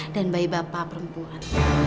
dan bayi bapak perempuan